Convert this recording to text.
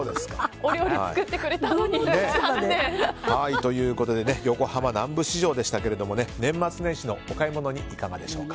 お料理作ってくれたのに残念。ということで横浜南部市場年末年始のお買い物にいかがでしょうか。